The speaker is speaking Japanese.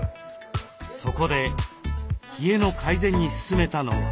そこで冷えの改善に勧めたのは。